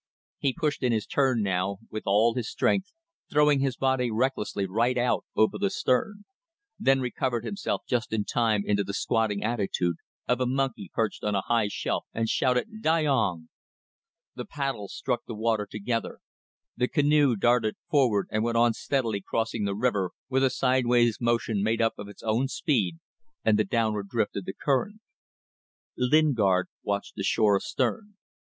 He pushed in his turn now with all his strength, throwing his body recklessly right out over the stern. Then he recovered himself just in time into the squatting attitude of a monkey perched on a high shelf, and shouted: "Dayong!" The paddles struck the water together. The canoe darted forward and went on steadily crossing the river with a sideways motion made up of its own speed and the downward drift of the current. Lingard watched the shore astern.